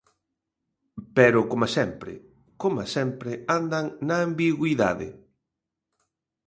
Pero, coma sempre, coma sempre, andan na ambigüidade.